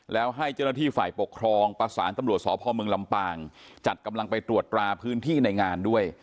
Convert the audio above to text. แล้วให้เจ้าหน้าที่ฝ่ายปกครองประสานตำรวจสพเมืองลำปางจัดกำลังไปตรวจตราพื้นที่ในงานด้วย